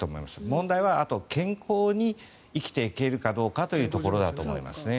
問題は、あと健康に生きていけるかどうかというところだと思いますね。